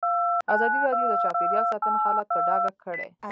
ازادي راډیو د چاپیریال ساتنه حالت په ډاګه کړی.